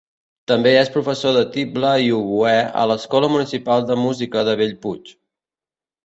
També és professor de tible i oboè a l'Escola Municipal de Música de Bellpuig.